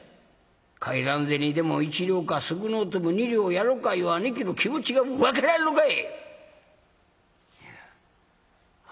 かえらん銭でも１両か少のうても２両やろかいう兄貴の気持ちが分からんのかい！」。